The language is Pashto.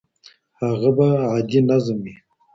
هغه به عادي نظم وي